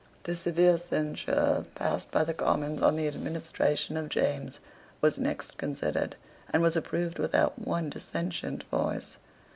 The severe censure passed by the Commons on the administration of James was next considered, and was approved without one dissentient voice.